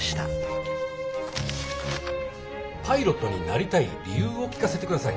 パイロットになりたい理由を聞かせてください。